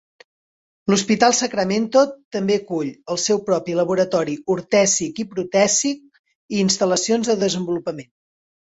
L'hospital Sacramento també acull el seu propi laboratori ortèsic i protèsic i instal·lacions de desenvolupament.